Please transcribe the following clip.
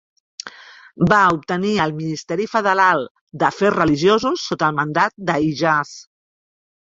Va obtenir el ministeri federal d'afers religiosos sota el mandat de Ijaz.